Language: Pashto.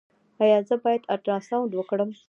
ایا زه باید الټراساونډ وکړم؟